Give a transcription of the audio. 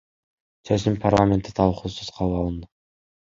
Чечим парламентте талкуусуз кабыл алынды.